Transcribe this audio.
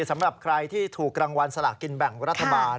สำหรับใครที่ถูกรางวัลสลากินแบ่งรัฐบาล